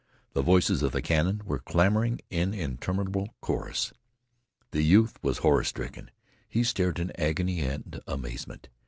The voices of the cannon were clamoring in interminable chorus. The youth was horrorstricken. He stared in agony and amazement.